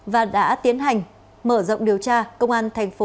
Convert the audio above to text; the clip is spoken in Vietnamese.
và đã tiến hành mở rộng điều tra